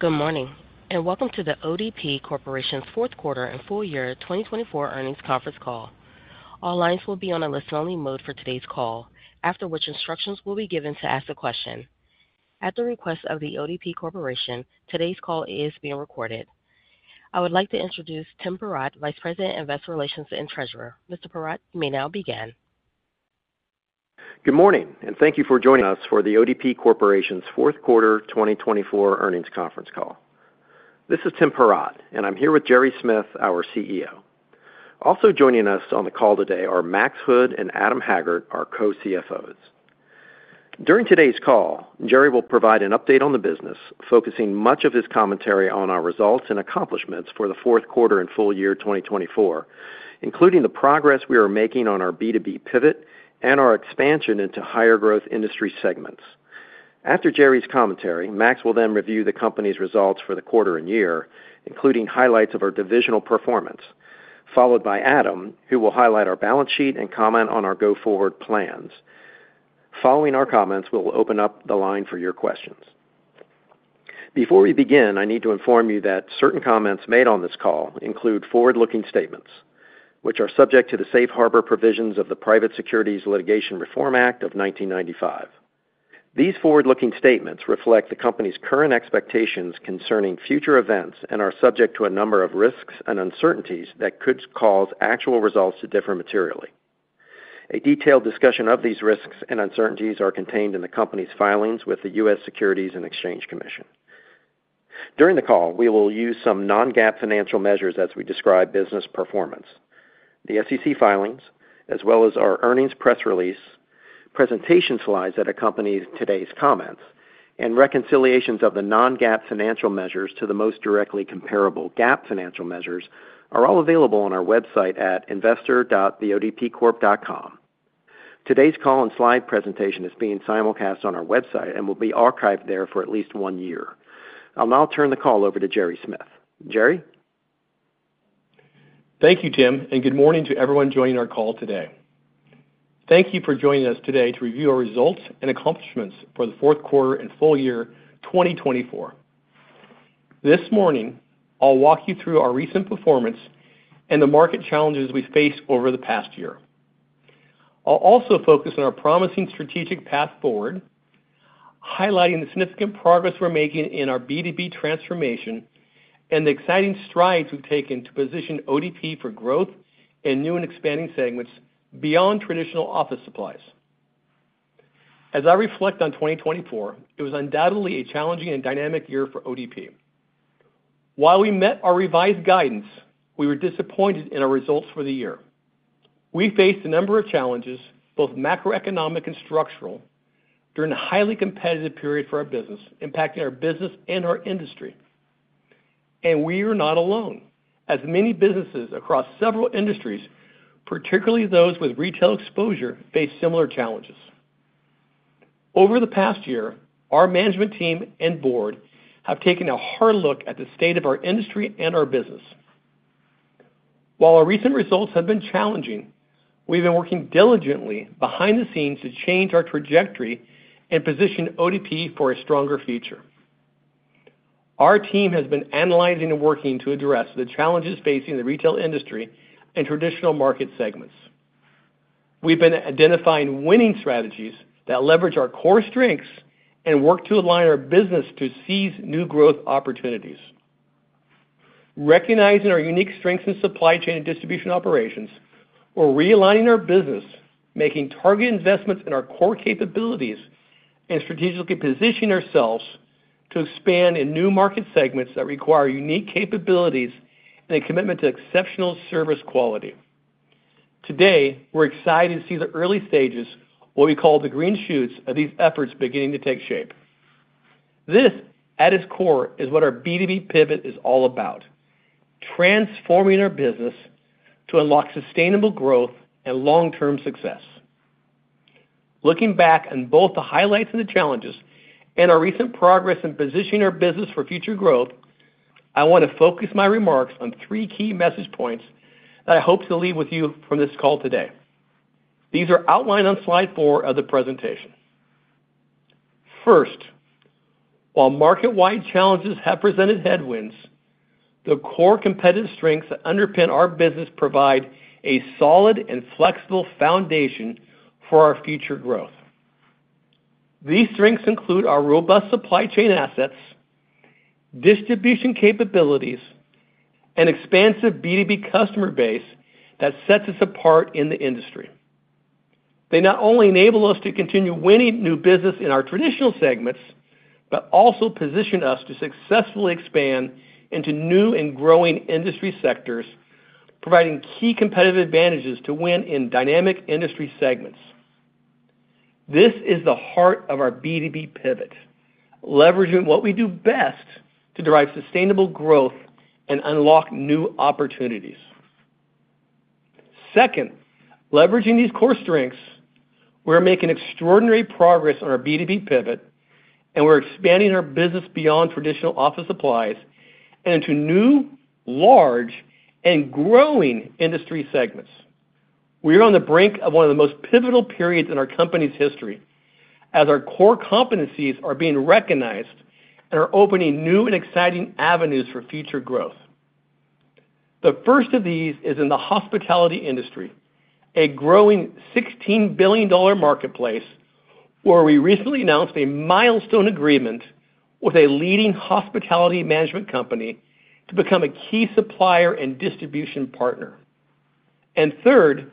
Good morning and welcome to The ODP Corporation's Fourth Quarter and Full Year 2024 Earnings Conference Call. All lines will be on a listen-only mode for today's call, after which instructions will be given to ask the question. At the request of The ODP Corporation, today's call is being recorded. I would like to introduce Tim Perrott, Vice President, Investor Relations and Treasurer. Mr. Perrott, you may now begin. Good morning and thank you for joining us for The ODP Corporation's Fourth Quarter 2024 Earnings Conference Call. This is Tim Perrott, and I'm here with Gerry Smith, our CEO. Also joining us on the call today are Max Hood and Adam Haggard, our co-CFOs. During today's call, Gerry will provide an update on the business, focusing much of his commentary on our results and accomplishments for the fourth quarter and full year 2024, including the progress we are making on our B2B pivot and our expansion into higher growth industry segments. After Gerry's commentary, Max will then review the company's results for the quarter and year, including highlights of our divisional performance, followed by Adam, who will highlight our balance sheet and comment on our go-forward plans. Following our comments, we'll open up the line for your questions. Before we begin, I need to inform you that certain comments made on this call include forward-looking statements, which are subject to the safe harbor provisions of the Private Securities Litigation Reform Act of 1995. These forward-looking statements reflect the company's current expectations concerning future events and are subject to a number of risks and uncertainties that could cause actual results to differ materially. A detailed discussion of these risks and uncertainties is contained in the company's filings with the U.S. Securities and Exchange Commission. During the call, we will use some non-GAAP financial measures as we describe business performance: the SEC filings, as well as our earnings press release, presentation slides that accompany today's comments, and reconciliations of the non-GAAP financial measures to the most directly comparable GAAP financial measures are all available on our website at investor.theodpcorp.com. Today's call and slide presentation is being simulcast on our website and will be archived there for at least one year. I'll now turn the call over to Gerry Smith. Gerry? Thank you, Tim, and good morning to everyone joining our call today. Thank you for joining us today to review our results and accomplishments for the fourth quarter and full year 2024. This morning, I'll walk you through our recent performance and the market challenges we faced over the past year. I'll also focus on our promising strategic path forward, highlighting the significant progress we're making in our B2B transformation and the exciting strides we've taken to position ODP for growth and new and expanding segments beyond traditional office supplies. As I reflect on 2024, it was undoubtedly a challenging and dynamic year for ODP. While we met our revised guidance, we were disappointed in our results for the year. We faced a number of challenges, both macroeconomic and structural, during a highly competitive period for our business, impacting our business and our industry. We are not alone, as many businesses across several industries, particularly those with retail exposure, face similar challenges. Over the past year, our management team and board have taken a hard look at the state of our industry and our business. While our recent results have been challenging, we've been working diligently behind the scenes to change our trajectory and position ODP for a stronger future. Our team has been analyzing and working to address the challenges facing the retail industry and traditional market segments. We've been identifying winning strategies that leverage our core strengths and work to align our business to seize new growth opportunities. Recognizing our unique strengths in supply chain and distribution operations, we're realigning our business, making targeted investments in our core capabilities, and strategically positioning ourselves to expand in new market segments that require unique capabilities and a commitment to exceptional service quality. Today, we're excited to see the early stages, what we call the green shoots of these efforts beginning to take shape. This, at its core, is what our B2B pivot is all about: transforming our business to unlock sustainable growth and long-term success. Looking back on both the highlights and the challenges and our recent progress in positioning our business for future growth, I want to focus my remarks on three key message points that I hope to leave with you from this call today. These are outlined on slide four of the presentation. First, while market-wide challenges have presented headwinds, the core competitive strengths that underpin our business provide a solid and flexible foundation for our future growth. These strengths include our robust supply chain assets, distribution capabilities, and expansive B2B customer base that sets us apart in the industry. They not only enable us to continue winning new business in our traditional segments, but also position us to successfully expand into new and growing industry sectors, providing key competitive advantages to win in dynamic industry segments. This is the heart of our B2B pivot, leveraging what we do best to drive sustainable growth and unlock new opportunities. Second, leveraging these core strengths, we're making extraordinary progress on our B2B pivot, and we're expanding our business beyond traditional office supplies and into new, large, and growing industry segments. We are on the brink of one of the most pivotal periods in our company's history, as our core competencies are being recognized and are opening new and exciting avenues for future growth. The first of these is in the hospitality industry, a growing $16 billion marketplace where we recently announced a milestone agreement with a leading hospitality management company to become a key supplier and distribution partner. And third,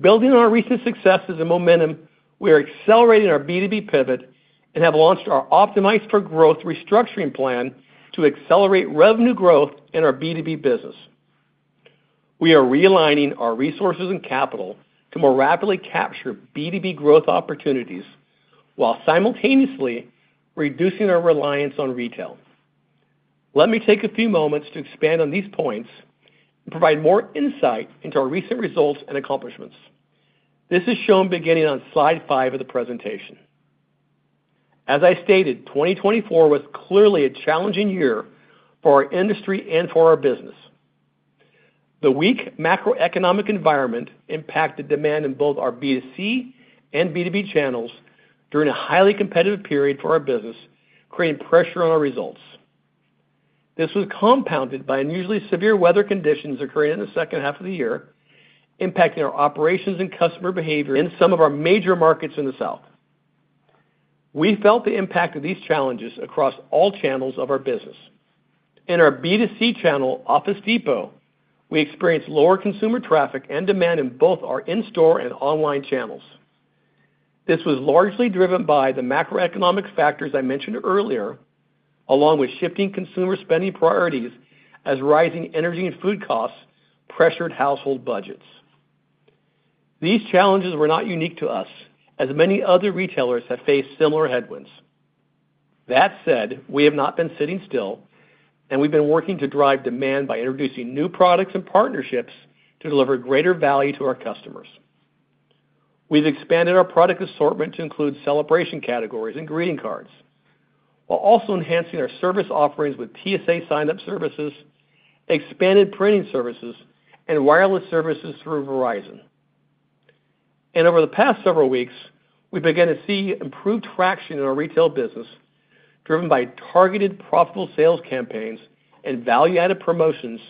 building on our recent successes and momentum, we are accelerating our B2B pivot and have launched our Optimize for Growth plan to accelerate revenue growth in our B2B business. We are realigning our resources and capital to more rapidly capture B2B growth opportunities while simultaneously reducing our reliance on retail. Let me take a few moments to expand on these points and provide more insight into our recent results and accomplishments. This is shown beginning on slide five of the presentation. As I stated, 2024 was clearly a challenging year for our industry and for our business. The weak macroeconomic environment impacted demand in both our B2C and B2B channels during a highly competitive period for our business, creating pressure on our results. This was compounded by unusually severe weather conditions occurring in the second half of the year, impacting our operations and customer behavior in some of our major markets in the South. We felt the impact of these challenges across all channels of our business. In our B2C channel, Office Depot, we experienced lower consumer traffic and demand in both our in-store and online channels. This was largely driven by the macroeconomic factors I mentioned earlier, along with shifting consumer spending priorities as rising energy and food costs pressured household budgets. These challenges were not unique to us, as many other retailers have faced similar headwinds. That said, we have not been sitting still, and we've been working to drive demand by introducing new products and partnerships to deliver greater value to our customers. We've expanded our product assortment to include celebration categories and greeting cards, while also enhancing our service offerings with TSA sign-up services, expanded printing services, and wireless services through Verizon, and over the past several weeks, we began to see improved traction in our retail business, driven by targeted profitable sales campaigns and value-added promotions,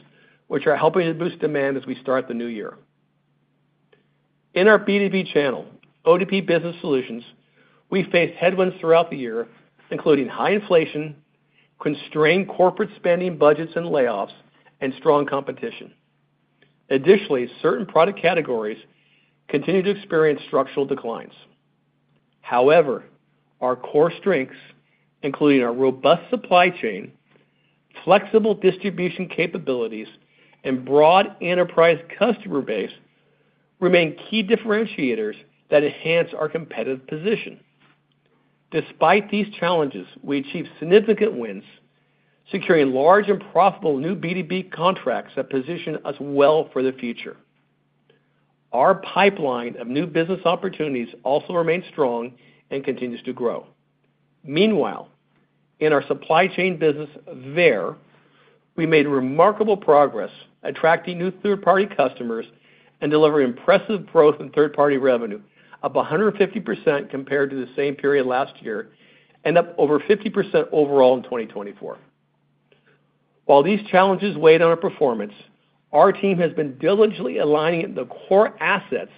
which are helping to boost demand as we start the new year. In our B2B channel, ODP Business Solutions, we faced headwinds throughout the year, including high inflation, constrained corporate spending budgets and layoffs, and strong competition. Additionally, certain product categories continue to experience structural declines. However, our core strengths, including our robust supply chain, flexible distribution capabilities, and broad enterprise customer base, remain key differentiators that enhance our competitive position. Despite these challenges, we achieved significant wins, securing large and profitable new B2B contracts that position us well for the future. Our pipeline of new business opportunities also remains strong and continues to grow. Meanwhile, in our supply chain business, VEYER, we made remarkable progress, attracting new third-party customers and delivering impressive growth in third-party revenue, up 150% compared to the same period last year, and up over 50% overall in 2024. While these challenges weighed on our performance, our team has been diligently aligning the core assets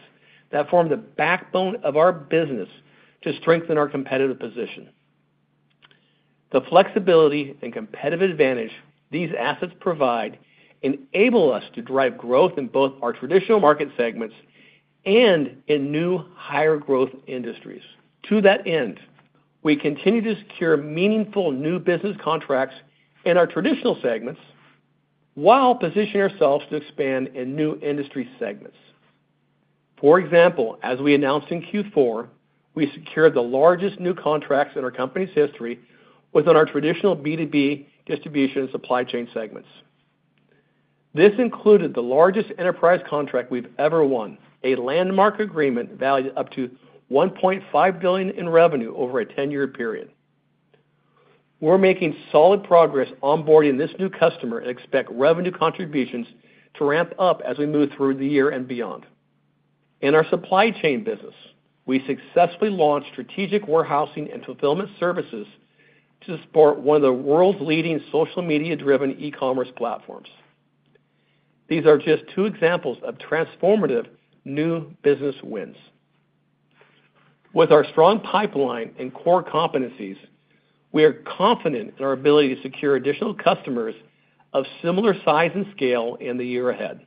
that form the backbone of our business to strengthen our competitive position. The flexibility and competitive advantage these assets provide enable us to drive growth in both our traditional market segments and in new, higher-growth industries. To that end, we continue to secure meaningful new business contracts in our traditional segments while positioning ourselves to expand in new industry segments. For example, as we announced in Q4, we secured the largest new contracts in our company's history within our traditional B2B distribution and supply chain segments. This included the largest enterprise contract we've ever won, a landmark agreement valued up to $1.5 billion in revenue over a 10-year period. We're making solid progress onboarding this new customer and expect revenue contributions to ramp up as we move through the year and beyond. In our supply chain business, we successfully launched strategic warehousing and fulfillment services to support one of the world's leading social media-driven e-commerce platforms. These are just two examples of transformative new business wins. With our strong pipeline and core competencies, we are confident in our ability to secure additional customers of similar size and scale in the year ahead.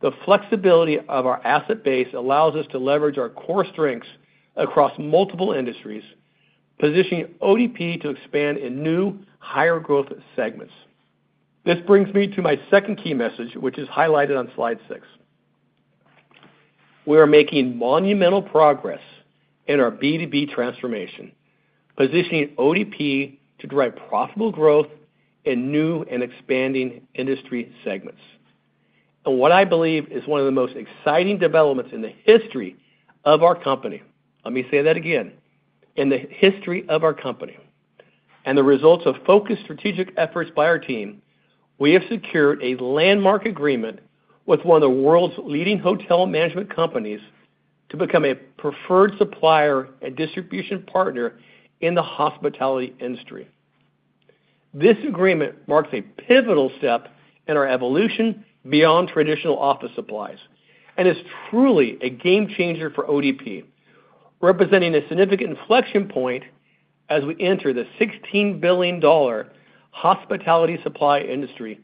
The flexibility of our asset base allows us to leverage our core strengths across multiple industries, positioning ODP to expand in new, higher-growth segments. This brings me to my second key message, which is highlighted on slide six. We are making monumental progress in our B2B transformation, positioning ODP to drive profitable growth in new and expanding industry segments. And what I believe is one of the most exciting developments in the history of our company. Let me say that again. In the history of our company. And the results of focused strategic efforts by our team, we have secured a landmark agreement with one of the world's leading hotel management companies to become a preferred supplier and distribution partner in the hospitality industry. This agreement marks a pivotal step in our evolution beyond traditional office supplies and is truly a game changer for ODP, representing a significant inflection point as we enter the $16 billion hospitality supply industry,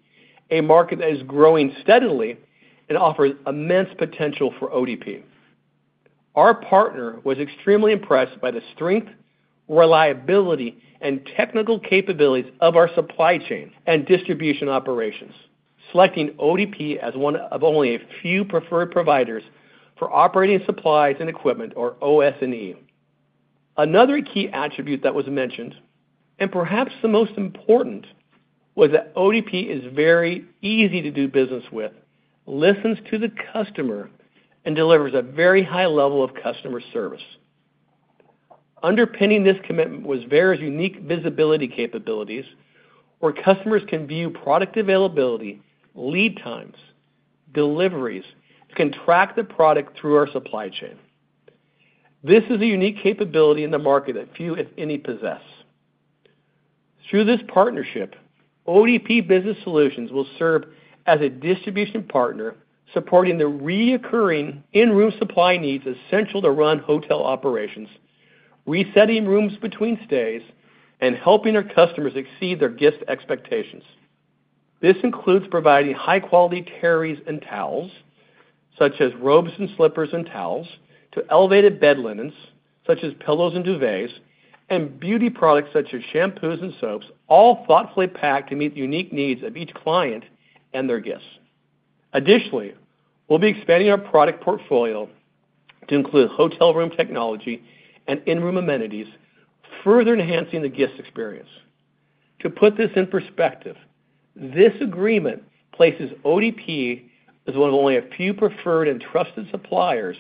a market that is growing steadily and offers immense potential for ODP. Our partner was extremely impressed by the strength, reliability, and technical capabilities of our supply chain and distribution operations, selecting ODP as one of only a few preferred providers for operating supplies and equipment, or OS&E. Another key attribute that was mentioned, and perhaps the most important, was that ODP is very easy to do business with, listens to the customer, and delivers a very high level of customer service. Underpinning this commitment was VEYER's unique visibility capabilities, where customers can view product availability, lead times, deliveries, and can track the product through our supply chain. This is a unique capability in the market that few, if any, possess. Through this partnership, ODP Business Solutions will serve as a distribution partner supporting the recurring in-room supply needs essential to run hotel operations, resetting rooms between stays, and helping our customers exceed their guest expectations. This includes providing high-quality terry and towels, such as robes and slippers and towels, to elevated bed linens, such as pillows and duvets, and beauty products such as shampoos and soaps, all thoughtfully packed to meet the unique needs of each client and their guests. Additionally, we'll be expanding our product portfolio to include hotel room technology and in-room amenities, further enhancing the guest experience. To put this in perspective, this agreement places ODP as one of only a few preferred and trusted suppliers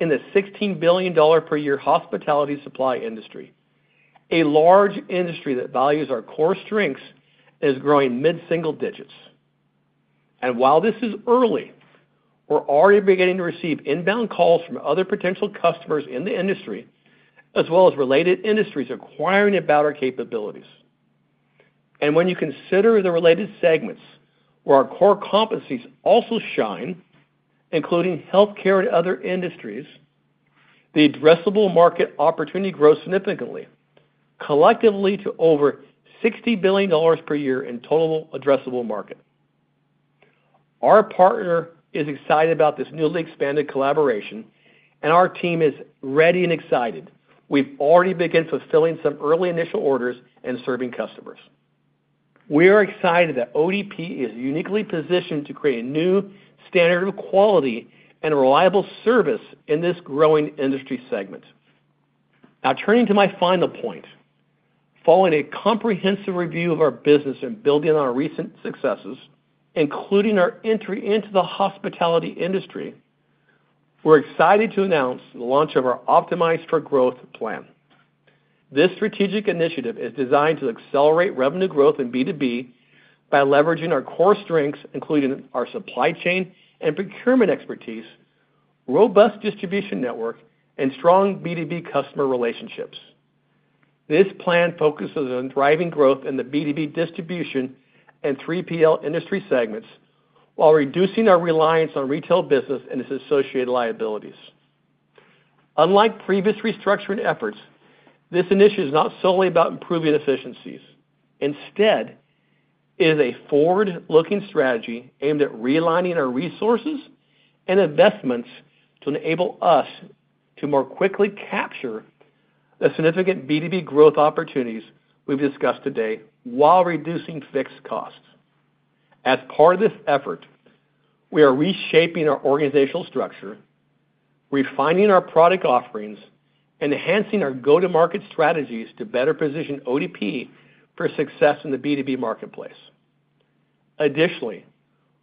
in the $16 billion per year hospitality supply industry, a large industry that values our core strengths and is growing mid-single digits, and while this is early, we're already beginning to receive inbound calls from other potential customers in the industry, as well as related industries inquiring about our capabilities, and when you consider the related segments, where our core competencies also shine, including healthcare and other industries, the addressable market opportunity grows significantly, collectively to over $60 billion per year in total addressable market. Our partner is excited about this newly expanded collaboration, and our team is ready and excited. We've already begun fulfilling some early initial orders and serving customers. We are excited that ODP is uniquely positioned to create a new standard of quality and reliable service in this growing industry segment. Now, turning to my final point, following a comprehensive review of our business and building on our recent successes, including our entry into the hospitality industry, we're excited to announce the launch of our Optimize for Growth plan. This strategic initiative is designed to accelerate revenue growth in B2B by leveraging our core strengths, including our supply chain and procurement expertise, robust distribution network, and strong B2B customer relationships. This plan focuses on driving growth in the B2B distribution and 3PL industry segments while reducing our reliance on retail business and its associated liabilities. Unlike previous restructuring efforts, this initiative is not solely about improving efficiencies. Instead, it is a forward-looking strategy aimed at realigning our resources and investments to enable us to more quickly capture the significant B2B growth opportunities we've discussed today while reducing fixed costs. As part of this effort, we are reshaping our organizational structure, refining our product offerings, and enhancing our go-to-market strategies to better position ODP for success in the B2B marketplace. Additionally,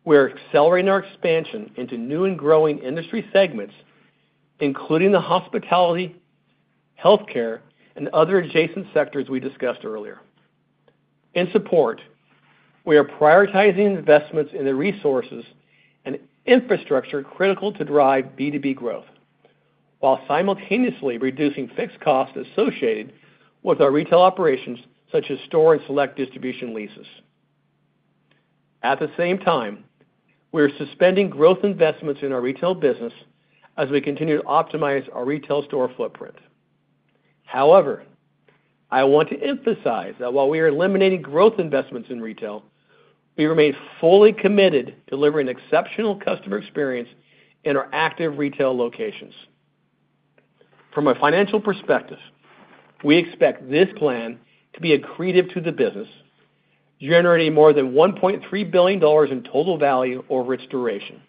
we are accelerating our expansion into new and growing industry segments, including the hospitality, healthcare, and other adjacent sectors we discussed earlier. In support, we are prioritizing investments in the resources and infrastructure critical to drive B2B growth, while simultaneously reducing fixed costs associated with our retail operations, such as store and select distribution leases. At the same time, we are suspending growth investments in our retail business as we continue to optimize our retail store footprint. However, I want to emphasize that while we are eliminating growth investments in retail, we remain fully committed to delivering exceptional customer experience in our active retail locations. From a financial perspective, we expect this plan to be accretive to the business, generating more than $1.3 billion in total value over its duration.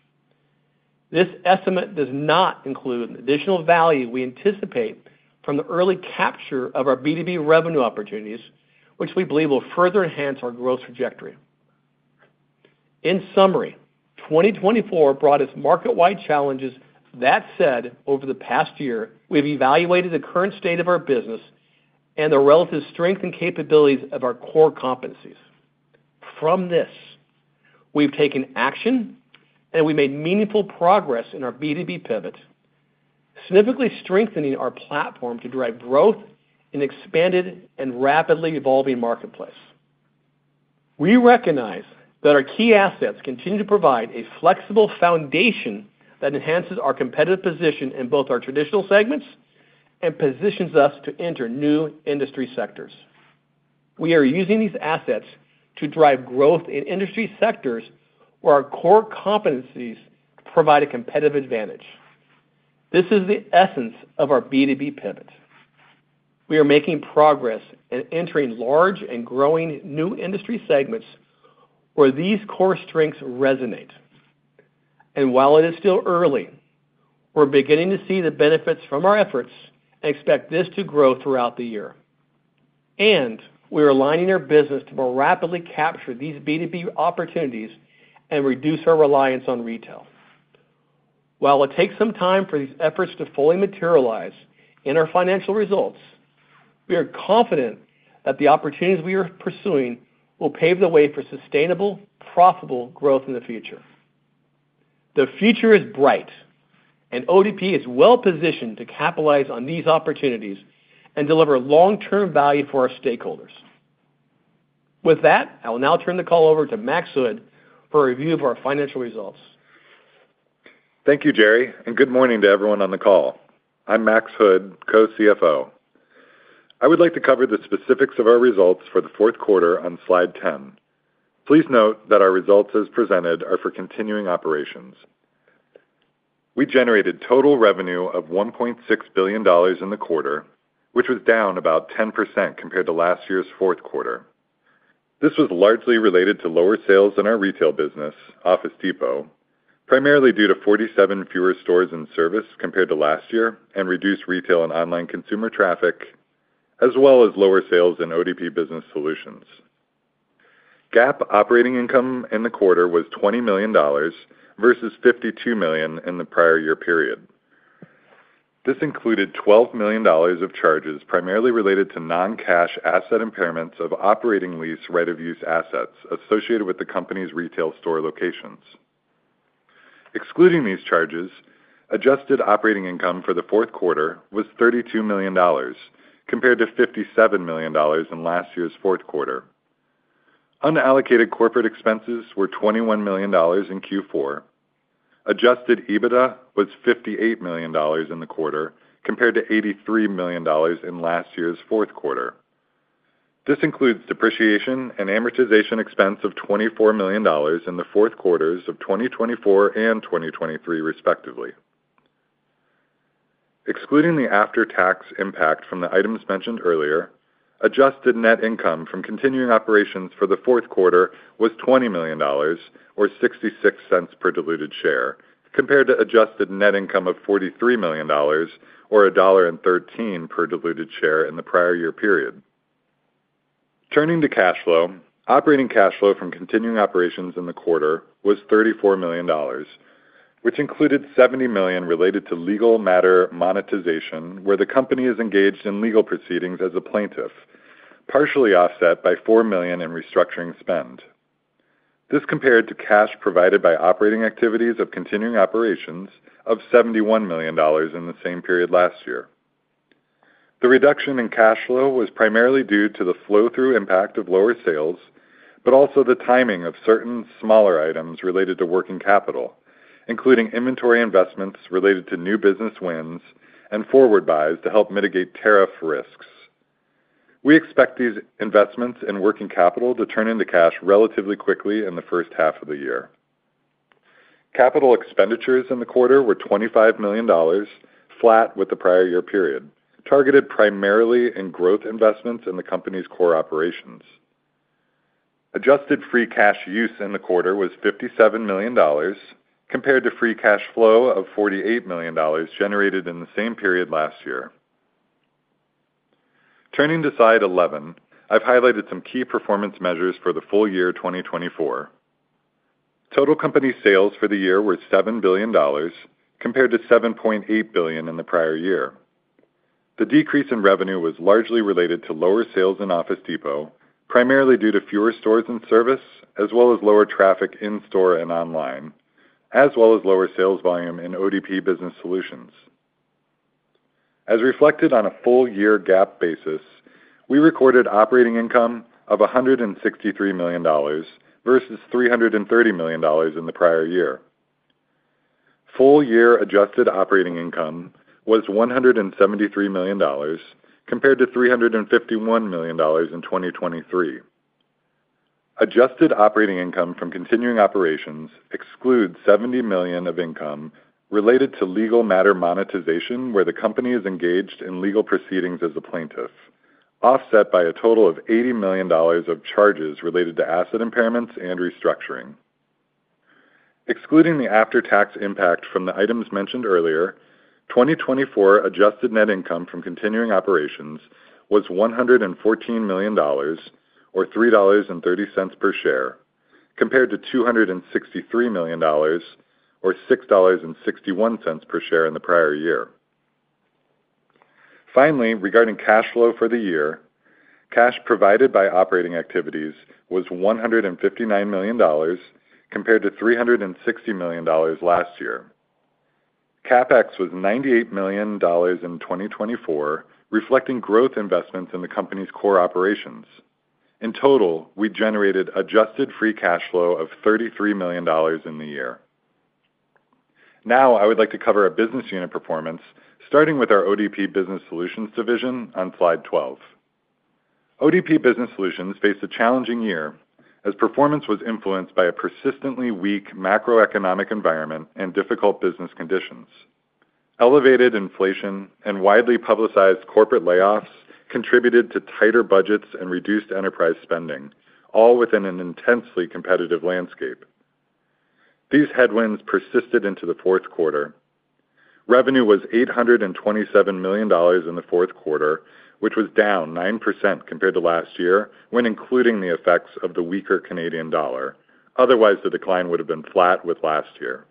This estimate does not include the additional value we anticipate from the early capture of our B2B revenue opportunities, which we believe will further enhance our growth trajectory. In summary, 2024 brought us market-wide challenges. That said, over the past year, we've evaluated the current state of our business and the relative strength and capabilities of our core competencies. From this, we've taken action, and we made meaningful progress in our B2B pivot, significantly strengthening our platform to drive growth in an expanded and rapidly evolving marketplace. We recognize that our key assets continue to provide a flexible foundation that enhances our competitive position in both our traditional segments and positions us to enter new industry sectors. We are using these assets to drive growth in industry sectors where our core competencies provide a competitive advantage. This is the essence of our B2B pivot. We are making progress and entering large and growing new industry segments where these core strengths resonate. And while it is still early, we're beginning to see the benefits from our efforts and expect this to grow throughout the year. And we are aligning our business to more rapidly capture these B2B opportunities and reduce our reliance on retail. While it takes some time for these efforts to fully materialize in our financial results, we are confident that the opportunities we are pursuing will pave the way for sustainable, profitable growth in the future. The future is bright, and ODP is well-positioned to capitalize on these opportunities and deliver long-term value for our stakeholders. With that, I will now turn the call over to Max Hood for a review of our financial results. Thank you, Gerry, and good morning to everyone on the call. I'm Max Hood, Co-CFO. I would like to cover the specifics of our results for the fourth quarter on slide 10. Please note that our results as presented are for continuing operations. We generated total revenue of $1.6 billion in the quarter, which was down about 10% compared to last year's fourth quarter. This was largely related to lower sales in our retail business, Office Depot, primarily due to 47 fewer stores in service compared to last year and reduced retail and online consumer traffic, as well as lower sales in ODP Business Solutions. GAAP operating income in the quarter was $20 million versus $52 million in the prior year period. This included $12 million of charges primarily related to non-cash asset impairments of operating lease right-of-use assets associated with the company's retail store locations. Excluding these charges, adjusted operating income for the fourth quarter was $32 million compared to $57 million in last year's fourth quarter. Unallocated corporate expenses were $21 million in Q4. Adjusted EBITDA was $58 million in the quarter compared to $83 million in last year's fourth quarter. This includes depreciation and amortization expense of $24 million in the fourth quarters of 2024 and 2023, respectively. Excluding the after-tax impact from the items mentioned earlier, adjusted net income from continuing operations for the fourth quarter was $20 million, or $0.66 per diluted share, compared to adjusted net income of $43 million, or $1.13 per diluted share in the prior year period. Turning to cash flow, operating cash flow from continuing operations in the quarter was $34 million, which included $70 million related to legal matter monetization, where the company is engaged in legal proceedings as a plaintiff, partially offset by $4 million in restructuring spend. This compared to cash provided by operating activities of continuing operations of $71 million in the same period last year. The reduction in cash flow was primarily due to the flow-through impact of lower sales, but also the timing of certain smaller items related to working capital, including inventory investments related to new business wins and forward buys to help mitigate tariff risks. We expect these investments in working capital to turn into cash relatively quickly in the first half of the year. Capital expenditures in the quarter were $25 million, flat with the prior year period, targeted primarily in growth investments in the company's core operations. Adjusted free cash use in the quarter was $57 million, compared to free cash flow of $48 million generated in the same period last year. Turning to slide 11, I've highlighted some key performance measures for the full year 2024. Total company sales for the year were $7 billion, compared to $7.8 billion in the prior year. The decrease in revenue was largely related to lower sales in Office Depot, primarily due to fewer stores in service, as well as lower traffic in store and online, as well as lower sales volume in ODP Business Solutions. As reflected on a full-year GAAP basis, we recorded operating income of $163 million versus $330 million in the prior year. Full-year adjusted operating income was $173 million, compared to $351 million in 2023. Adjusted operating income from continuing operations excludes $70 million of income related to legal matter monetization, where the company is engaged in legal proceedings as a plaintiff, offset by a total of $80 million of charges related to asset impairments and restructuring. Excluding the after-tax impact from the items mentioned earlier, 2024 adjusted net income from continuing operations was $114 million, or $3.30 per share, compared to $263 million, or $6.61 per share in the prior year. Finally, regarding cash flow for the year, cash provided by operating activities was $159 million, compared to $360 million last year. CapEx was $98 million in 2024, reflecting growth investments in the company's core operations. In total, we generated adjusted free cash flow of $33 million in the year. Now, I would like to cover a business unit performance, starting with our ODP Business Solutions division on slide 12. ODP Business Solutions faced a challenging year as performance was influenced by a persistently weak macroeconomic environment and difficult business conditions. Elevated inflation and widely publicized corporate layoffs contributed to tighter budgets and reduced enterprise spending, all within an intensely competitive landscape. These headwinds persisted into the fourth quarter. Revenue was $827 million in the fourth quarter, which was down 9% compared to last year when including the effects of the weaker Canadian dollar. Otherwise, the decline would have been flat with last year.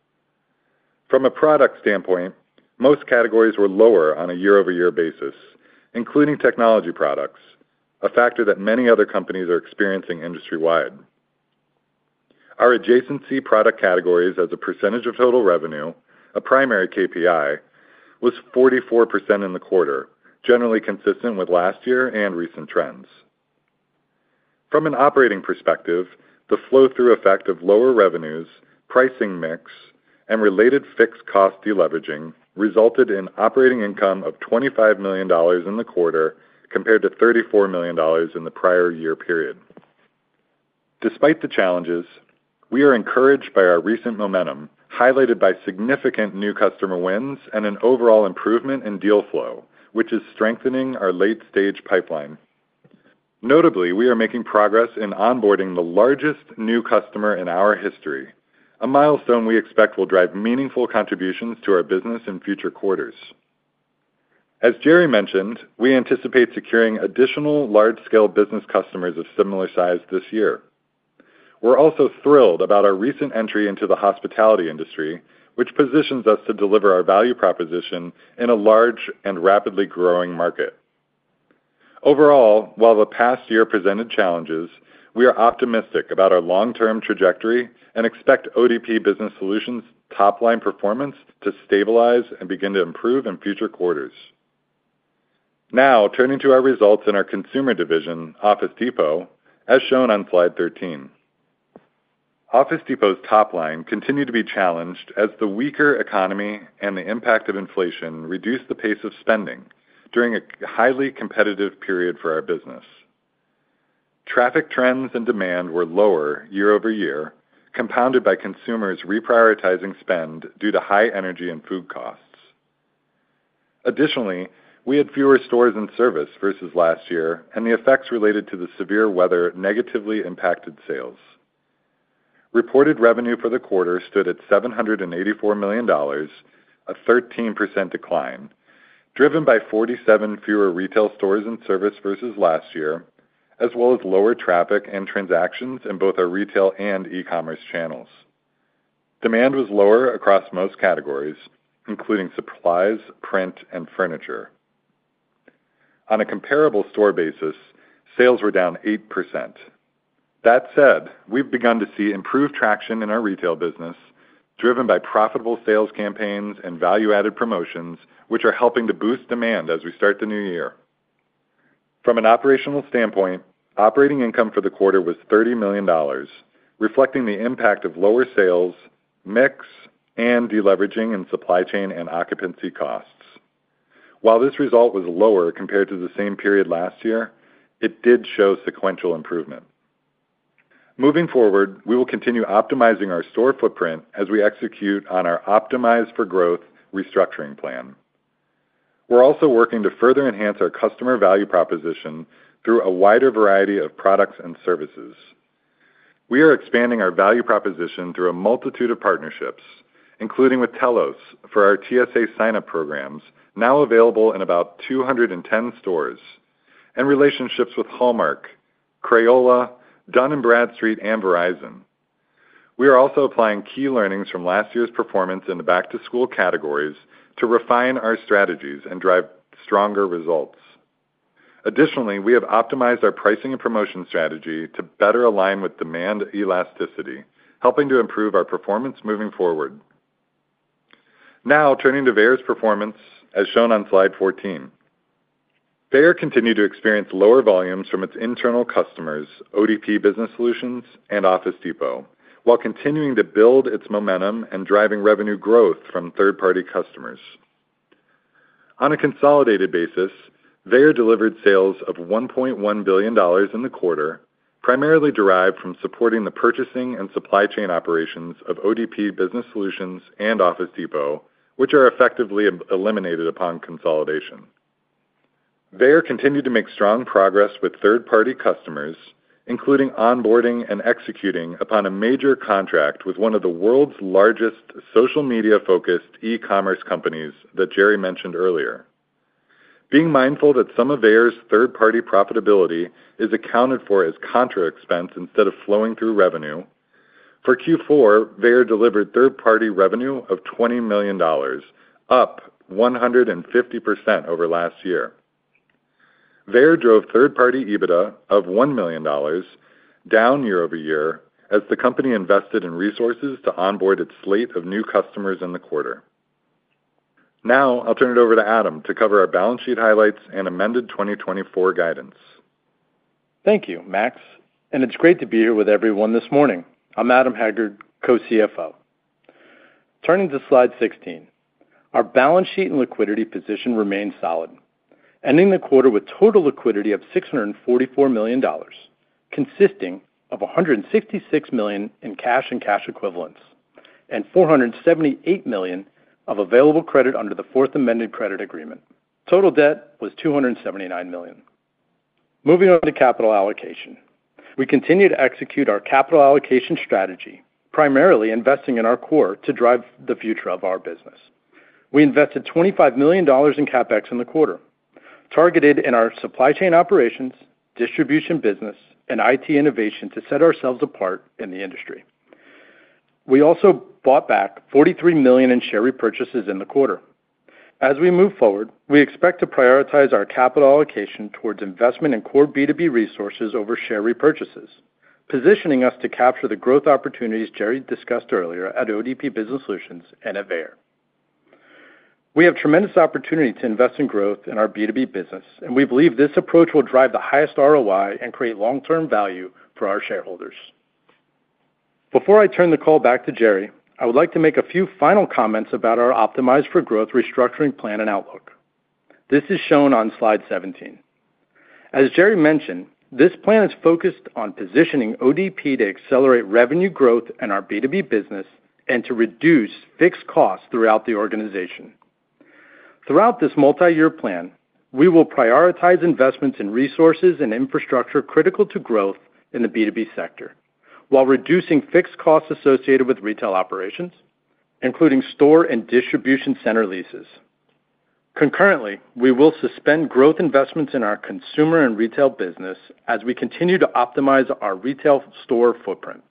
From a product standpoint, most categories were lower on a year-over-year basis, including technology products, a factor that many other companies are experiencing industry-wide. Our adjacency product categories as a percentage of total revenue, a primary KPI, was 44% in the quarter, generally consistent with last year and recent trends. From an operating perspective, the flow-through effect of lower revenues, pricing mix, and related fixed cost deleveraging resulted in operating income of $25 million in the quarter compared to $34 million in the prior year period. Despite the challenges, we are encouraged by our recent momentum highlighted by significant new customer wins and an overall improvement in deal flow, which is strengthening our late-stage pipeline. Notably, we are making progress in onboarding the largest new customer in our history, a milestone we expect will drive meaningful contributions to our business in future quarters. As Gerry mentioned, we anticipate securing additional large-scale business customers of similar size this year. We're also thrilled about our recent entry into the hospitality industry, which positions us to deliver our value proposition in a large and rapidly growing market. Overall, while the past year presented challenges, we are optimistic about our long-term trajectory and expect ODP Business Solutions' top-line performance to stabilize and begin to improve in future quarters. Now, turning to our results in our consumer division, Office Depot, as shown on slide 13. Office Depot's top-line continued to be challenged as the weaker economy and the impact of inflation reduced the pace of spending during a highly competitive period for our business. Traffic trends and demand were lower year-over-year, compounded by consumers reprioritizing spend due to high energy and food costs. Additionally, we had fewer stores in service versus last year, and the effects related to the severe weather negatively impacted sales. Reported revenue for the quarter stood at $784 million, a 13% decline, driven by 47 fewer retail stores in service versus last year, as well as lower traffic and transactions in both our retail and e-commerce channels. Demand was lower across most categories, including supplies, print, and furniture. On a comparable store basis, sales were down 8%. That said, we've begun to see improved traction in our retail business, driven by profitable sales campaigns and value-added promotions, which are helping to boost demand as we start the new year. From an operational standpoint, operating income for the quarter was $30 million, reflecting the impact of lower sales, mix, and deleveraging in supply chain and occupancy costs. While this result was lower compared to the same period last year, it did show sequential improvement. Moving forward, we will continue optimizing our store footprint as we execute on our Optimize for Growth restructuring plan. We're also working to further enhance our customer value proposition through a wider variety of products and services. We are expanding our value proposition through a multitude of partnerships, including with Telos for our TSA sign-up programs, now available in about 210 stores, and relationships with Hallmark, Crayola, Dun & Bradstreet, and Verizon. We are also applying key learnings from last year's performance in the back-to-school categories to refine our strategies and drive stronger results. Additionally, we have optimized our pricing and promotion strategy to better align with demand elasticity, helping to improve our performance moving forward. Now, turning to VEYER's performance, as shown on slide 14. VEYER continued to experience lower volumes from its internal customers, ODP Business Solutions, and Office Depot, while continuing to build its momentum and driving revenue growth from third-party customers. On a consolidated basis, VEYER delivered sales of $1.1 billion in the quarter, primarily derived from supporting the purchasing and supply chain operations of ODP Business Solutions and Office Depot, which are effectively eliminated upon consolidation. VEYER continued to make strong progress with third-party customers, including onboarding and executing upon a major contract with one of the world's largest social media-focused e-commerce companies that Gerry mentioned earlier. Being mindful that some of VEYER's third-party profitability is accounted for as contra expense instead of flowing through revenue, for Q4, VEYER delivered third-party revenue of $20 million, up 150% over last year. VEYER drove third-party EBITDA of $1 million down year-over-year as the company invested in resources to onboard its slate of new customers in the quarter. Now, I'll turn it over to Adam to cover our balance sheet highlights and amended 2024 guidance. Thank you, Max. It's great to be here with everyone this morning. I'm Adam Haggard, Co-CFO. Turning to slide 16, our balance sheet and liquidity position remained solid, ending the quarter with total liquidity of $644 million, consisting of $166 million in cash and cash equivalents, and $478 million of available credit under the Fourth Amended Credit Agreement. Total debt was $279 million. Moving on to capital allocation, we continued to execute our capital allocation strategy, primarily investing in our core to drive the future of our business. We invested $25 million in CapEx in the quarter, targeted in our supply chain operations, distribution business, and IT innovation to set ourselves apart in the industry. We also bought back $43 million in share repurchases in the quarter. As we move forward, we expect to prioritize our capital allocation towards investment in core B2B resources over share repurchases, positioning us to capture the growth opportunities Gerry discussed earlier at ODP Business Solutions and at VEYER. We have tremendous opportunity to invest in growth in our B2B business, and we believe this approach will drive the highest ROI and create long-term value for our shareholders. Before I turn the call back to Gerry, I would like to make a few final comments about our Optimize for Growth restructuring plan and outlook. This is shown on slide 17. As Gerry mentioned, this plan is focused on positioning ODP to accelerate revenue growth in our B2B business and to reduce fixed costs throughout the organization. Throughout this multi-year plan, we will prioritize investments in resources and infrastructure critical to growth in the B2B sector, while reducing fixed costs associated with retail operations, including store and distribution center leases. Concurrently, we will suspend growth investments in our consumer and retail business as we continue to optimize our retail store footprint.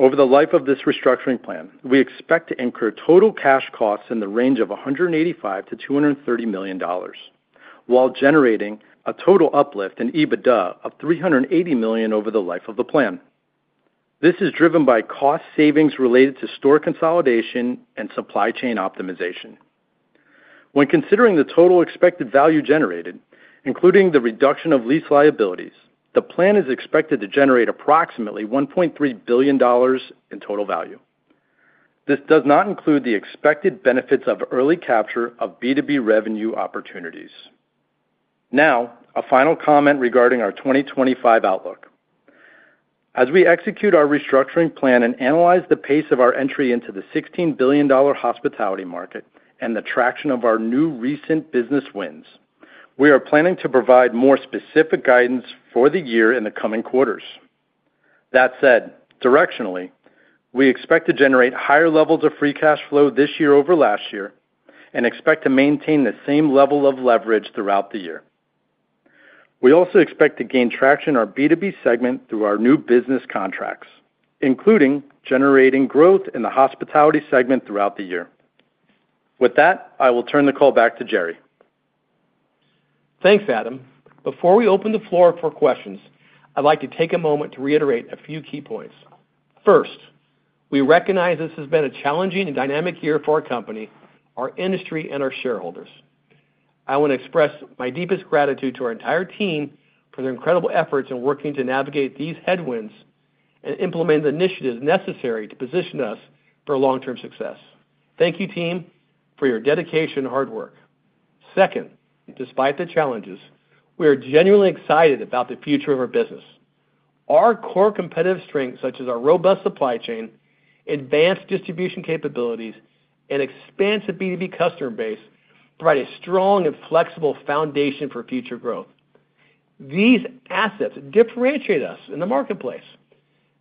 Over the life of this restructuring plan, we expect to incur total cash costs in the range of $185 million-$230 million, while generating a total uplift in EBITDA of $380 million over the life of the plan. This is driven by cost savings related to store consolidation and supply chain optimization. When considering the total expected value generated, including the reduction of lease liabilities, the plan is expected to generate approximately $1.3 billion in total value. This does not include the expected benefits of early capture of B2B revenue opportunities. Now, a final comment regarding our 2025 outlook. As we execute our restructuring plan and analyze the pace of our entry into the $16 billion hospitality market and the traction of our new recent business wins, we are planning to provide more specific guidance for the year in the coming quarters. That said, directionally, we expect to generate higher levels of free cash flow this year over last year and expect to maintain the same level of leverage throughout the year. We also expect to gain traction in our B2B segment through our new business contracts, including generating growth in the hospitality segment throughout the year. With that, I will turn the call back to Gerry. Thanks, Adam. Before we open the floor for questions, I'd like to take a moment to reiterate a few key points. First, we recognize this has been a challenging and dynamic year for our company, our industry, and our shareholders. I want to express my deepest gratitude to our entire team for their incredible efforts in working to navigate these headwinds and implement the initiatives necessary to position us for long-term success. Thank you, team, for your dedication and hard work. Second, despite the challenges, we are genuinely excited about the future of our business. Our core competitive strengths, such as our robust supply chain, advanced distribution capabilities, and expansive B2B customer base, provide a strong and flexible foundation for future growth. These assets differentiate us in the marketplace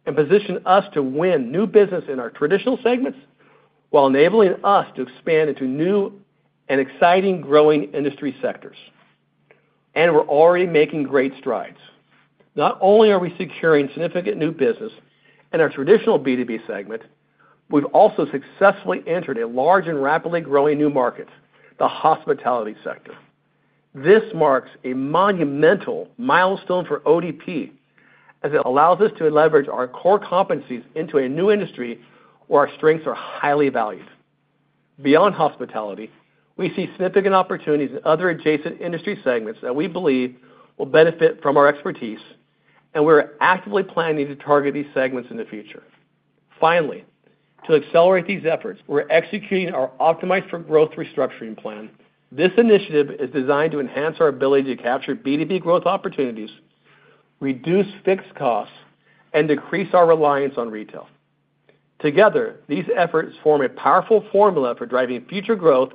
and position us to win new business in our traditional segments while enabling us to expand into new and exciting growing industry sectors. We're already making great strides. Not only are we securing significant new business in our traditional B2B segment, we've also successfully entered a large and rapidly growing new market, the hospitality sector. This marks a monumental milestone for ODP as it allows us to leverage our core competencies into a new industry where our strengths are highly valued. Beyond hospitality, we see significant opportunities in other adjacent industry segments that we believe will benefit from our expertise, and we're actively planning to target these segments in the future. Finally, to accelerate these efforts, we're executing our Optimize for Growth restructuring plan. This initiative is designed to enhance our ability to capture B2B growth opportunities, reduce fixed costs, and decrease our reliance on retail. Together, these efforts form a powerful formula for driving future growth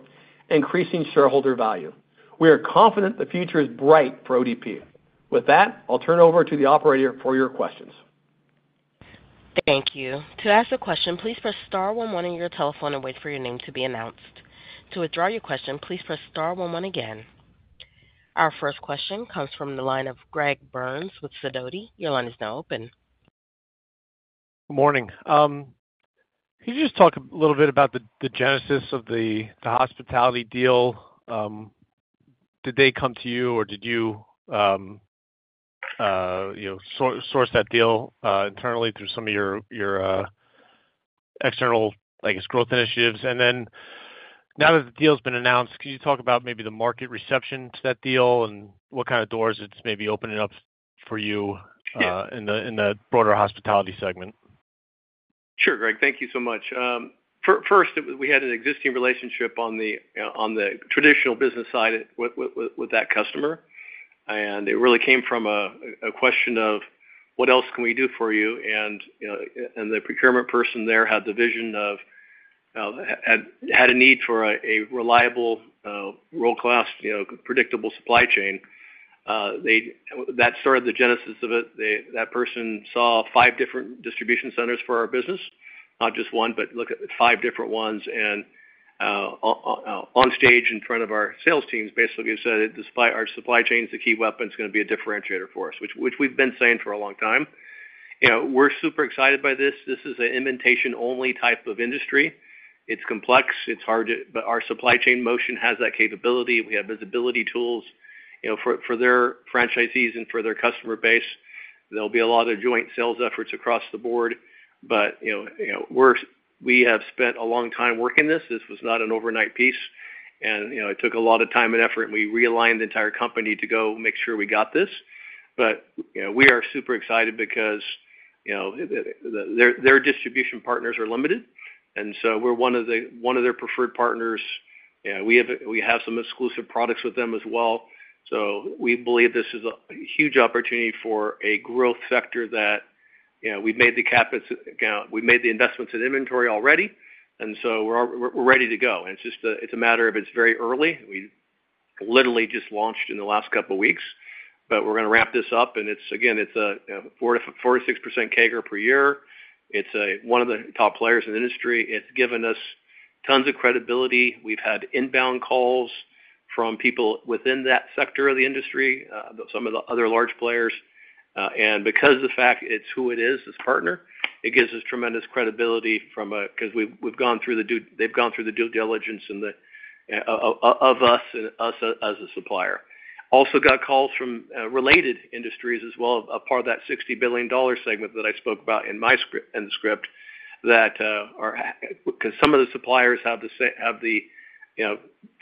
and increasing shareholder value. We are confident the future is bright for ODP. With that, I'll turn it over to the operator for your questions. Thank you. To ask a question, please press star one one on your telephone and wait for your name to be announced. To withdraw your question, please press star one one again. Our first question comes from the line of Greg Burns with Sidoti. Your line is now open. Good morning. Could you just talk a little bit about the genesis of the hospitality deal? Did they come to you, or did you source that deal internally through some of your external, I guess, growth initiatives, and then now that the deal has been announced, could you talk about maybe the market reception to that deal and what kind of doors it's maybe opening up for you in the broader hospitality segment? Sure, Greg. Thank you so much. First, we had an existing relationship on the traditional business side with that customer, and it really came from a question of, "What else can we do for you?", and the procurement person there had the vision of a need for a reliable, world-class, predictable supply chain. That started the genesis of it. That person saw five different distribution centers for our business, not just one, but look at five different ones. And on stage in front of our sales teams, basically, he said, "Despite our supply chains, the key weapon is going to be a differentiator for us," which we've been saying for a long time. We're super excited by this. This is an integration-only type of industry. It's complex. It's hard to, but our supply chain motion has that capability. We have visibility tools for their franchisees and for their customer base. There'll be a lot of joint sales efforts across the board. But we have spent a long time working this. This was not an overnight piece. And it took a lot of time and effort. And we realigned the entire company to go make sure we got this. But we are super excited because their distribution partners are limited. And so we're one of their preferred partners. We have some exclusive products with them as well. We believe this is a huge opportunity for a growth sector that we've made the investments in inventory already. And so we're ready to go. And it's a matter of it's very early. We literally just launched in the last couple of weeks. But we're going to wrap this up. And again, it's a 46% CAGR per year. It's one of the top players in the industry. It's given us tons of credibility. We've had inbound calls from people within that sector of the industry, some of the other large players. And because of the fact it's who it is, this partner, it gives us tremendous credibility from a, because we've gone through the, they've gone through the due diligence of us and us as a supplier. Also got calls from related industries as well, a part of that $60 billion segment that I spoke about in my script that are, because some of the suppliers have the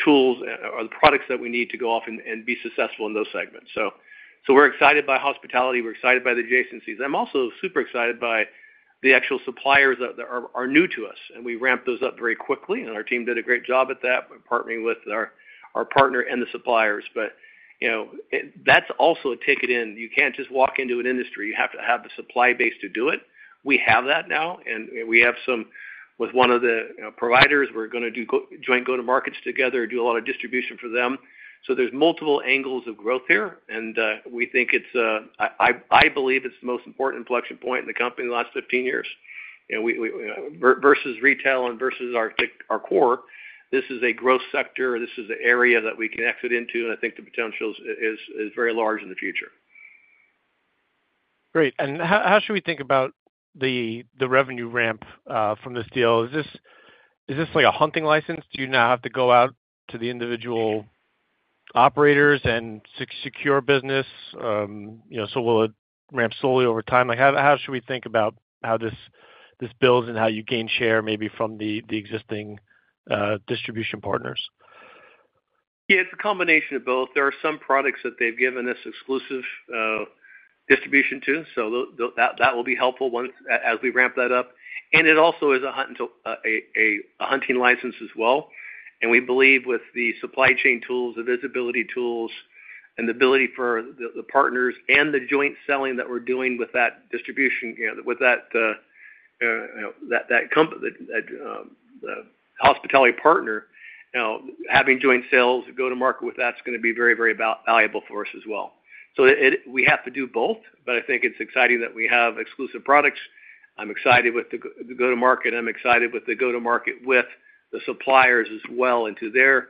tools or the products that we need to go off and be successful in those segments. So we're excited by hospitality. We're excited by the adjacencies. I'm also super excited by the actual suppliers that are new to us. And we ramped those up very quickly. And our team did a great job at that, partnering with our partner and the suppliers. But that's also a ticket in. You can't just walk into an industry. You have to have the supply base to do it. We have that now. And we have some with one of the providers. We're going to do joint go-to-markets together, do a lot of distribution for them. So there's multiple angles of growth here. We think it's. I believe it's the most important inflection point in the company in the last 15 years. Versus retail and versus our core, this is a growth sector. This is an area that we can exit into. I think the potential is very large in the future. Great. How should we think about the revenue ramp from this deal? Is this like a hunting license? Do you now have to go out to the individual operators and secure business? Will it ramp slowly over time? How should we think about how this builds and how you gain share maybe from the existing distribution partners? Yeah, it's a combination of both. There are some products that they've given us exclusive distribution to. That will be helpful as we ramp that up. It also is a hunting license as well. We believe with the supply chain tools, the visibility tools, and the ability for the partners and the joint selling that we're doing with that distribution, with that hospitality partner, having joint sales, go-to-market with that's going to be very, very valuable for us as well. So we have to do both. But I think it's exciting that we have exclusive products. I'm excited with the go-to-market. I'm excited with the go-to-market with the suppliers as well into their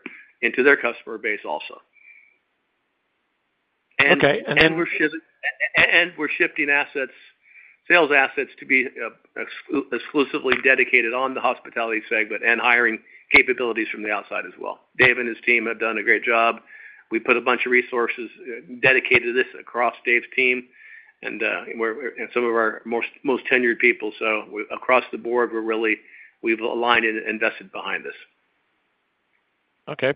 customer base also. And we're shifting sales assets to be exclusively dedicated on the hospitality segment and hiring capabilities from the outside as well. Dave and his team have done a great job. We put a bunch of resources dedicated to this across Dave's team and some of our most tenured people. So across the board, we've aligned and invested behind this. Okay.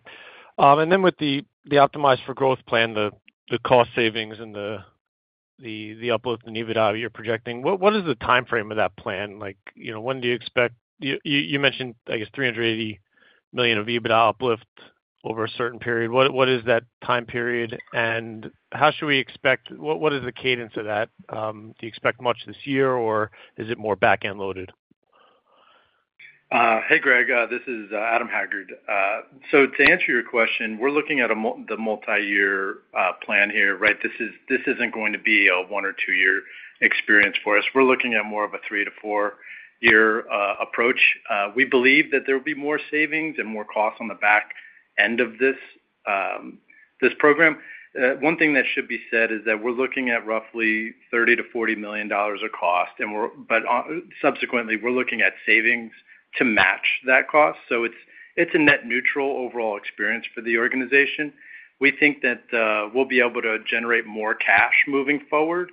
With the Optimize for Growth plan, the cost savings and the uplift in EBITDA you're projecting, what is the timeframe of that plan? When do you expect? You mentioned, I guess, $380 million of EBITDA uplift over a certain period. What is that time period? And how should we expect? What is the cadence of that? Do you expect much this year, or is it more back-end loaded? Hey, Greg. This is Adam Haggard. So to answer your question, we're looking at the multi-year plan here, right? This isn't going to be a one- or two-year experience for us. We're looking at more of a three- to four-year approach. We believe that there will be more savings and more costs on the back end of this program. One thing that should be said is that we're looking at roughly $30 million-$40 million of cost. But subsequently, we're looking at savings to match that cost. So it's a net neutral overall experience for the organization. We think that we'll be able to generate more cash moving forward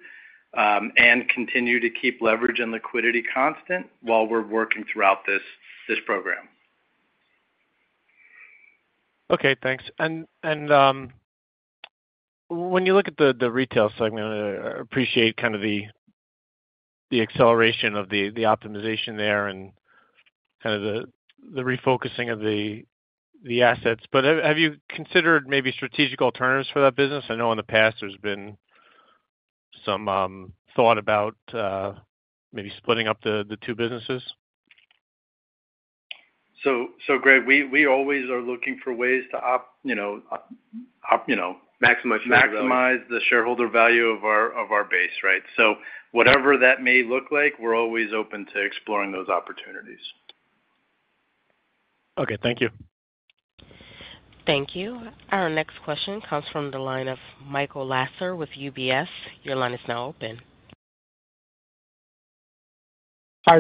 and continue to keep leverage and liquidity constant while we're working throughout this program. Okay. Thanks. And when you look at the retail segment, I appreciate kind of the acceleration of the optimization there and kind of the refocusing of the assets. But have you considered maybe strategic alternatives for that business? I know in the past there's been some thought about maybe splitting up the two businesses. So, Greg, we always are looking for ways to maximize the shareholder value of our base, right? So whatever that may look like, we're always open to exploring those opportunities. Okay. Thank you. Thank you. Our next question comes from the line of Michael Lasser with UBS. Your line is now open. Hi.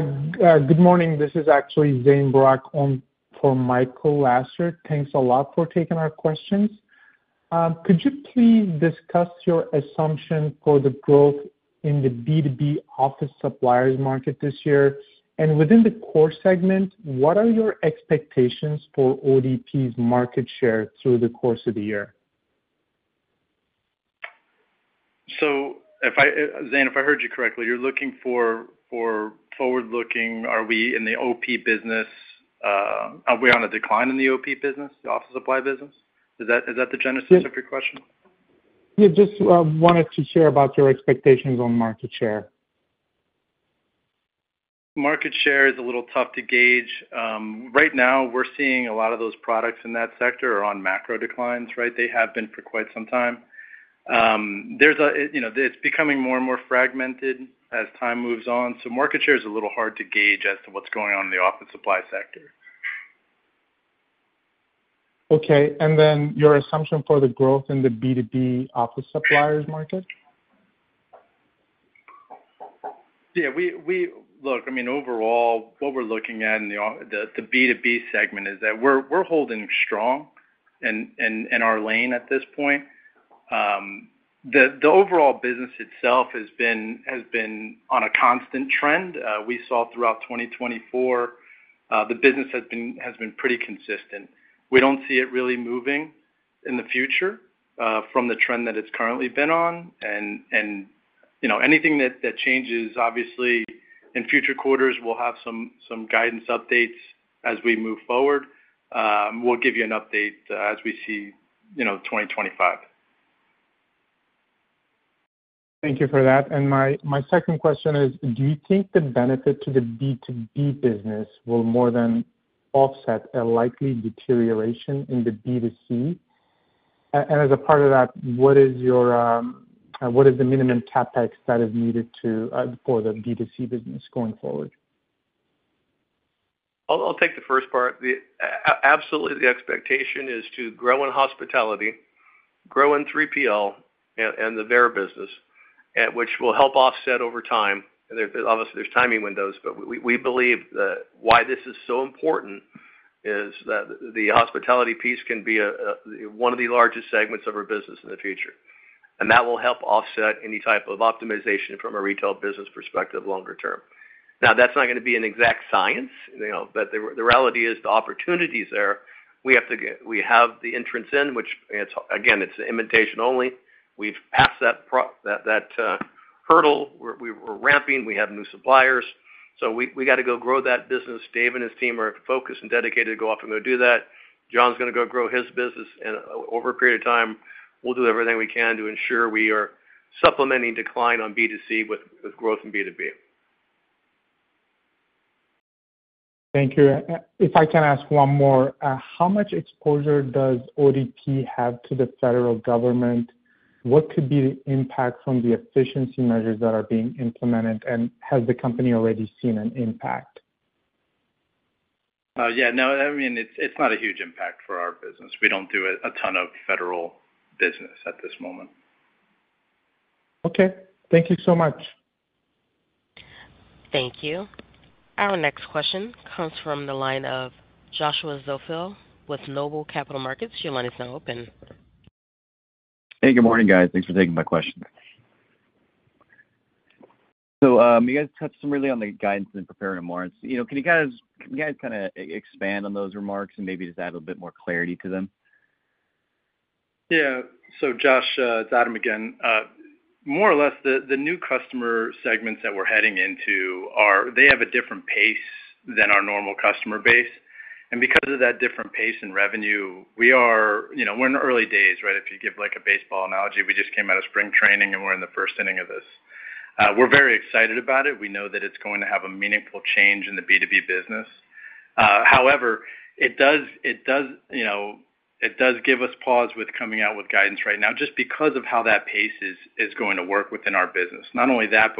Good morning. This is actually Zane Brock for Michael Lasser. Thanks a lot for taking our questions. Could you please discuss your assumption for the growth in the B2B office suppliers market this year? And within the core segment, what are your expectations for ODP's market share through the course of the year? So, Zane, if I heard you correctly, you're looking for forward-looking? Are we in the OP business? Are we on a decline in the OP business, the office supply business? Is that the genesis of your question? Yeah. Just wanted to share about your expectations on market share. Market share is a little tough to gauge. Right now, we're seeing a lot of those products in that sector are on macro declines, right? They have been for quite some time. It's becoming more and more fragmented as time moves on. So, market share is a little hard to gauge as to what's going on in the office supply sector. Okay. And then your assumption for the growth in the B2B office supplies market? Yeah. Look, I mean, overall, what we're looking at in the B2B segment is that we're holding strong in our lane at this point. The overall business itself has been on a constant trend. We saw throughout 2024, the business has been pretty consistent. We don't see it really moving in the future from the trend that it's currently been on. And anything that changes, obviously, in future quarters, we'll have some guidance updates as we move forward. We'll give you an update as we see 2025. Thank you for that. And my second question is, do you think the benefit to the B2B business will more than offset a likely deterioration in the B2C? And as a part of that, what is the minimum CapEx that is needed for the B2C business going forward? I'll take the first part. Absolutely, the expectation is to grow in hospitality, grow in 3PL, and the VEYER business, which will help offset over time. Obviously, there's timing windows. But we believe that why this is so important is that the hospitality piece can be one of the largest segments of our business in the future. And that will help offset any type of optimization from a retail business perspective longer term. Now, that's not going to be an exact science. But the reality is the opportunities there. We have the entrance in, which, again, it's invitation only. We've passed that hurdle. We're ramping. We have new suppliers. So we got to go grow that business. Dave and his team are focused and dedicated to go off and go do that. John's going to go grow his business. And over a period of time, we'll do everything we can to ensure we are supplementing decline on B2C with growth in B2B. Thank you. If I can ask one more, how much exposure does ODP have to the federal government? What could be the impact from the efficiency measures that are being implemented? And has the company already seen an impact? Yeah. No, I mean, it's not a huge impact for our business. We don't do a ton of federal business at this moment. Okay. Thank you so much. Thank you. Our next question comes from the line of Joshua Zoepfel with NOBLE Capital Markets. Your line is now open. Hey, good morning, guys. Thanks for taking my question. So you guys touched somewhat on the guidance and providing more. Can you guys kind of expand on those remarks and maybe just add a little bit more clarity to them? Yeah. So, Josh, it's Adam again. More or less, the new customer segments that we're heading into are, they have a different pace than our normal customer base. And because of that different pace and revenue, we're in the early days, right? If you give a baseball analogy, we just came out of spring training, and we're in the first inning of this. We're very excited about it. We know that it's going to have a meaningful change in the B2B business. However, it does give us pause with coming out with guidance right now just because of how that pace is going to work within our business. Not only that,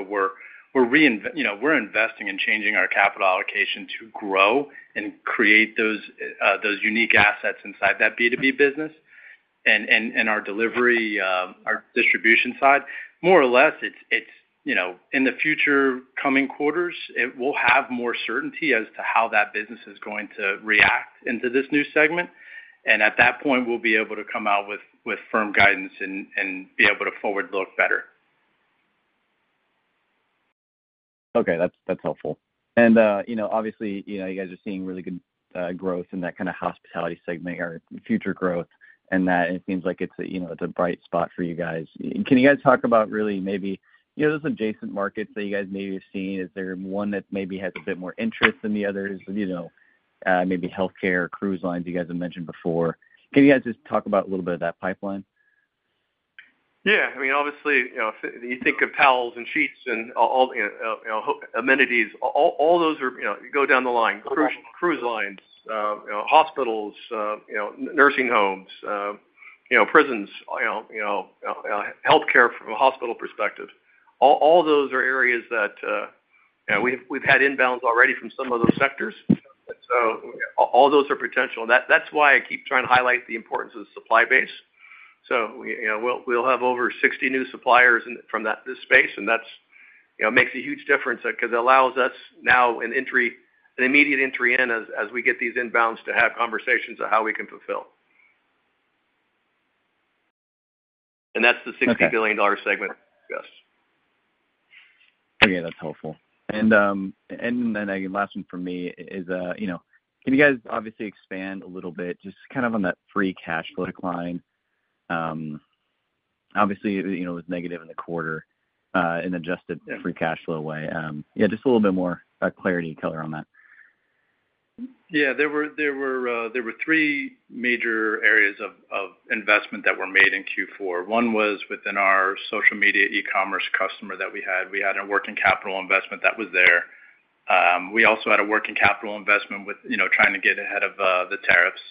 but we're investing and changing our capital allocation to grow and create those unique assets inside that B2B business and our distribution side. More or less, in the future coming quarters, we'll have more certainty as to how that business is going to react into this new segment. And at that point, we'll be able to come out with firm guidance and be able to forward-look better. Okay. That's helpful. And obviously, you guys are seeing really good growth in that kind of hospitality segment or future growth. And it seems like it's a bright spot for you guys. Can you guys talk about really maybe those adjacent markets that you guys maybe have seen? Is there one that maybe has a bit more interest than the others? Maybe healthcare, cruise lines you guys have mentioned before. Can you guys just talk about a little bit of that pipeline? Yeah. I mean, obviously, you think of towels and sheets and amenities. All those are go down the line. Cruise lines, hospitals, nursing homes, prisons, healthcare from a hospital perspective. All those are areas that we've had inbounds already from some of those sectors. So all those are potential. That's why I keep trying to highlight the importance of the supply base. So we'll have over 60 new suppliers from this space. And that makes a huge difference because it allows us now an immediate entry in as we get these inbounds to have conversations of how we can fulfill. And that's the $60 billion segment. Yes. Okay. That's helpful. And then the last one for me is, can you guys obviously expand a little bit just kind of on that free cash flow decline? Obviously, it was negative in the quarter in just the free cash flow way. Yeah, just a little bit more clarity and color on that. Yeah. There were three major areas of investment that were made in Q4. One was within our social media e-commerce customer that we had. We had a working capital investment that was there. We also had a working capital investment with trying to get ahead of the tariffs.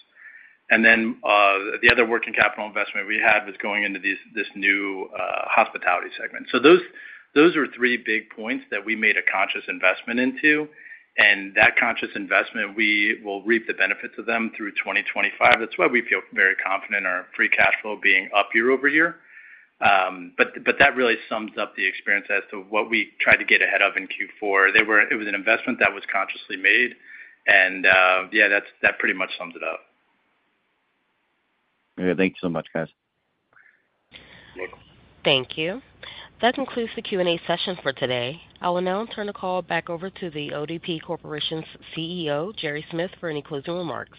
And then the other working capital investment we had was going into this new hospitality segment. So those were three big points that we made a conscious investment into. And that conscious investment, we will reap the benefits of them through 2025. That's why we feel very confident in our free cash flow being up year-over-year. But that really sums up the experience as to what we tried to get ahead of in Q4. It was an investment that was consciously made and yeah, that pretty much sums it up. Okay. Thank you so much, guys. Thank you. That concludes the Q&A session for today. I'll now turn the call back over to the ODP Corporation's CEO, Gerry Smith, for any closing remarks.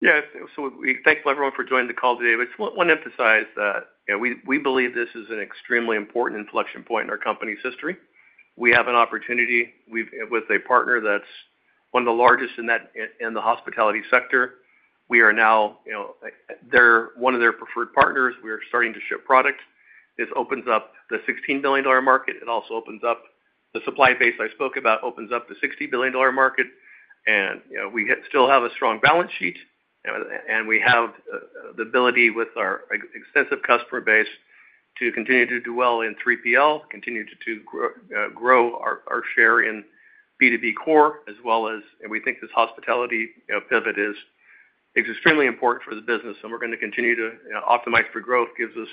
Yeah, so thank you everyone for joining the call today. I just want to emphasize that we believe this is an extremely important inflection point in our company's history. We have an opportunity with a partner that's one of the largest in the hospitality sector. We are now one of their preferred partners. We are starting to ship products. This opens up the $16 billion market. It also opens up the supply base I spoke about, the $60 billion market and we still have a strong balance sheet. And we have the ability with our extensive customer base to continue to do well in 3PL, continue to grow our share in B2B core, as well as we think this hospitality pivot is extremely important for the business. And we're going to continue to optimize for growth. It gives us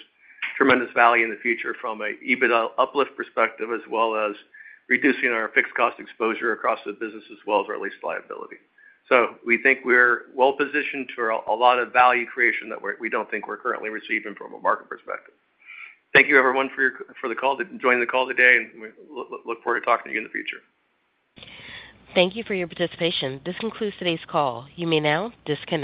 tremendous value in the future from an EBITDA uplift perspective, as well as reducing our fixed cost exposure across the business, as well as our lease liability. So we think we're well positioned for a lot of value creation that we don't think we're currently receiving from a market perspective. Thank you, everyone, for joining the call today. And we look forward to talking to you in the future. Thank you for your participation. This concludes today's call. You may now disconnect.